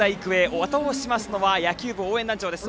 あと押ししますのは野球部応援団長です。